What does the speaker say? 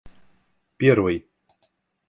первой